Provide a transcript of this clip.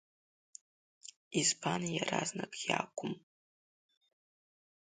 Избан иаразнак иакәым…